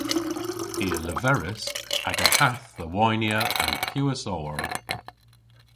I a leveris aga hath dhe waynya an pewas owr.